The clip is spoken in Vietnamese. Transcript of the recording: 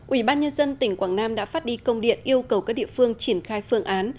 ủy ban nhân dân tỉnh quảng nam đã phát đi công điện yêu cầu các địa phương triển khai phương án